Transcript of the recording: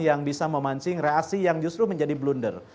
yang bisa memancing reaksi yang justru menjadi blunder